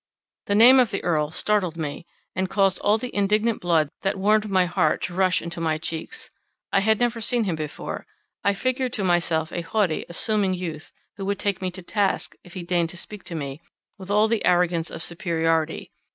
The name of the Earl startled me, and caused all the indignant blood that warmed my heart to rush into my cheeks; I had never seen him before; I figured to myself a haughty, assuming youth, who would take me to task, if he deigned to speak to me, with all the arrogance of superiority.